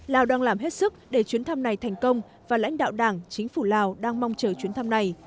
lào đang làm hết sức để chuyến thăm này thành công và lãnh đạo đảng chính phủ lào đang mong chờ chuyến thăm này